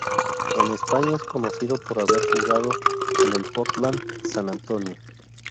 En España es conocido por haber jugado en el Portland San Antonio.